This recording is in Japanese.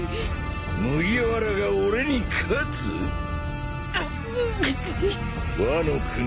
麦わらが俺に勝つ？くっ。